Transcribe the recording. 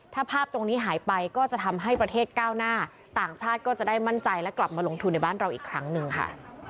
ถ้าภาพตรงนี้หายไปก็จะทำให้ประเทศก้าวหน้าต่างชาติก็จะได้มั่นใจและกลับมาลงทุนในบ้านเราอีกครั้งหนึ่งค่ะ